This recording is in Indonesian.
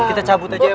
kita cabut aja ya pak